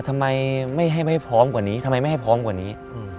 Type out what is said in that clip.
ทำไมไม่ให้ไม่พร้อมกว่านี้ทำไมไม่ให้พร้อมกว่านี้